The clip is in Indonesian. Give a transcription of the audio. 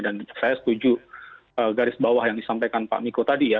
dan saya setuju garis bawah yang disampaikan pak miko tadi ya